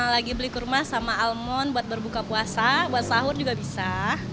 lagi beli kurma sama almon buat berbuka puasa buat sahur juga bisa